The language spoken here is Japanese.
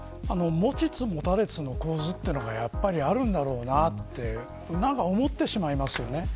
持ちつ持たれつの構図というのがあるんだろうなと思ってしまいますよね。